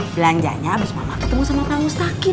belanjanya abis mama ketemu sama pamustakim